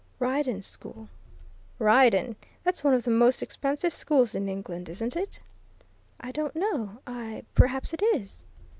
"Ryedene School." "Ryedene! That's one of the most expensive schools in England, isn't it?" "I don't know. I perhaps it is."